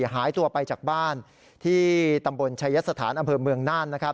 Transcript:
หายตัวไปจากบ้านที่ตำบลชายสถานอำเภอเมืองน่าน